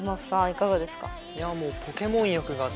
いかがですか？